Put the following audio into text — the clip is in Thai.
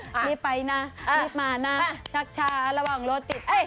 รีบไปนะรีบมานะชักช้าระหว่างรถติด